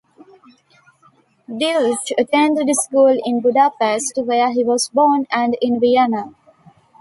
Deutsch attended school in Budapest, where he was born, and in Vienna.